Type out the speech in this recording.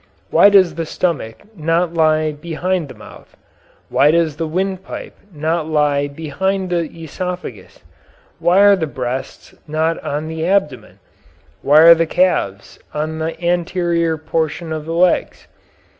Why does the stomach not lie behind the mouth? Why does the windpipe not lie behind the esophagus? Why are the breasts not on the abdomen? Why are not the calves on the anterior portion of the legs?